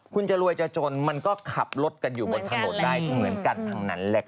คุณจะรวยจะจนมันก็ขับรถกันอยู่บนถนนได้เหมือนกันทั้งนั้นแหละครับ